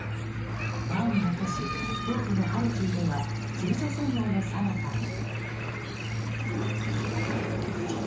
第２の都市東部のハルキウでは救助作業のさなかに。